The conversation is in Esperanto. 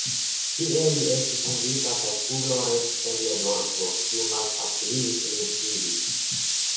Tie li estis vundita kaj kuglo restis en lia dorso, kiu malfaciligis lin sidi.